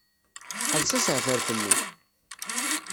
Ḥbes ashetref-nnek!